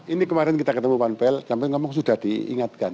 ini kemarin kita ketemu panpel kamanan polri sudah diingatkan